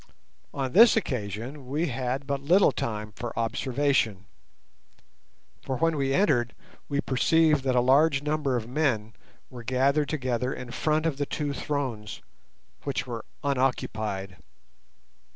On this occasion we had but little time for observation, for when we entered we perceived that a large number of men were gathered together in front of the two thrones, which were unoccupied.